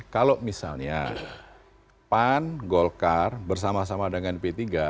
kalau misalnya pan golkar bersama sama dengan p tiga